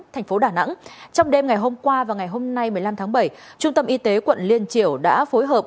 thành phố đà nẵng trong đêm ngày hôm qua và ngày hôm nay một mươi năm tháng bảy trung tâm y tế quận liên triều đã phối hợp